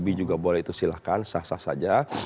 babi juga boleh itu silahkan sah sah saja